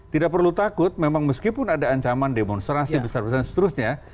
tidak perlu takut memang meskipun ada ancaman demonstrasi besar besaran seterusnya